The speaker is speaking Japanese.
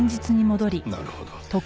なるほど。